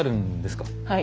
はい。